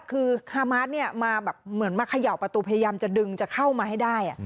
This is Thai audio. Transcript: คือฮามาสเนี่ยมาแบบเหมือนมาเขย่าประตูพยายามจะดึงจะเข้ามาให้ได้